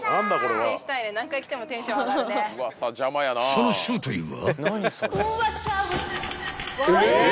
［その正体は？］